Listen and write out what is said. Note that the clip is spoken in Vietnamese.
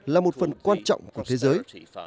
là một phần quan trọng của cộng đồng kinh tế asean